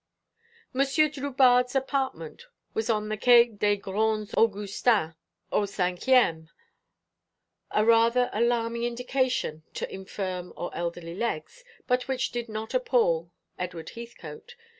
Monsieur Drubarde's apartment was on the Quai des Grands Augustins, au cinquième, a rather alarming indication to infirm or elderly legs, but which did not appal Edward Heathcote.